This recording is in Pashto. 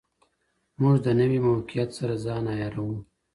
موږ د نوي موقیعت سره ځان عیاروو.